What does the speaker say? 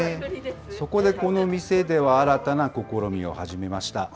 そこでこの店では新たな試みを始めました。